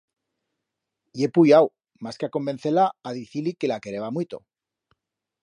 Ye puyau, mas que a convencer-la, a dicir-li que la quereba muito.